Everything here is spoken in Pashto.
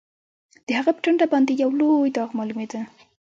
د هغه په ټنډه باندې یو لوی داغ معلومېده